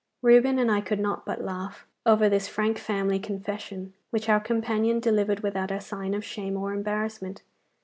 Reuben and I could not but laugh over this frank family confession, which our companion delivered without a sign of shame or embarrassment.